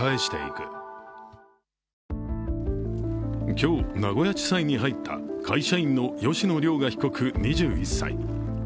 今日、名古屋地裁に入った会社員の吉野凌雅被告２１歳。